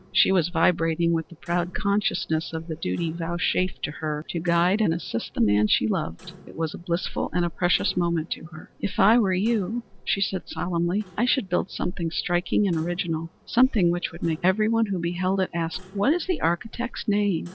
She was vibrating with the proud consciousness of the duty vouchsafed to her to guide and assist the man she loved. It was a blissful and a precious moment to her. "If I were you," she said, solemnly, "I should build something striking and original, something which would make everyone who beheld it ask, 'what is the architect's name?'